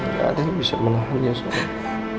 tidak ada yang bisa mengahunya sayang